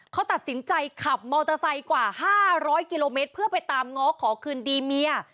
เขาตัดสินใจขับมอเตอร์ไซค์กว่า๕๐๐กิโลเมตรเพื่อไปตามง้อขอคืนดีเมีย